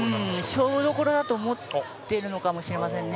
勝負どころだと思ってるのかもしれませんね。